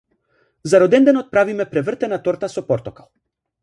За роденденот правиме превртена торта со портокал.